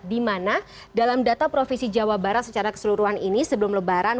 di mana dalam data provinsi jawa barat secara keseluruhan ini sebelum lebaran